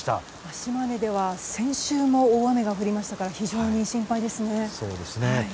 島根では先週も大雨が降りましたから非常に心配ですね。